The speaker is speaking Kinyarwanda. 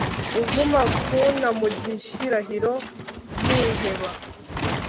Uguma kunta mugihirahiro nkiheba